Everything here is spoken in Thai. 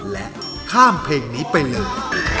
และข้ามเพลงนี้ไปเลย